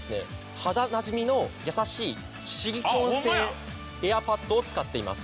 肌なじみの優しいシリコン製エアパッドを使っています。